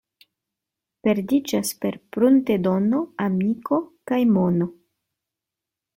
Perdiĝas per pruntedono amiko kaj mono.